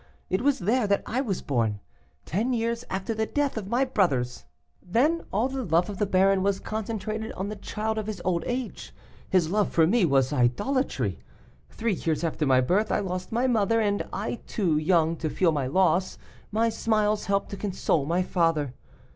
It was there that I was born, ten years after the death of my brothers. "Then all the love of the baron was concentrated on the child of his old age; his love for me was idolatry. Three years after my birth I lost my mother, and, too young to feel my loss, my smiles helped to console my father.